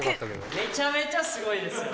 めちゃめちゃすごいです。